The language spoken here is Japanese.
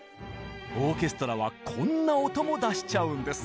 オーケストラはこんな音も出しちゃうんです。